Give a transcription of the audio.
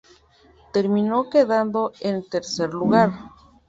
Terminó quedando en tercer lugar.